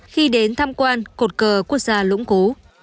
khi đến tham quan cột cờ quốc gia lũng cú